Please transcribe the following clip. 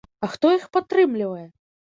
А хто іх падтрымлівае?